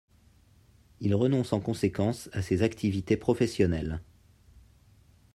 Il renonce en conséquence à ses activités professionnelles.